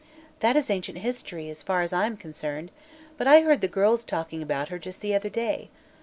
"That is ancient history, as far as I am concerned, but I heard the girls talking about her, just the other day.